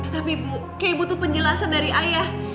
tapi bu kayak butuh penjelasan dari ayah